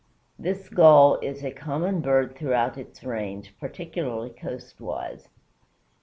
This Gull is a common bird throughout its range, particularly coast wise.